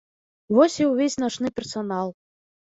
Вось і ўвесь начны персанал.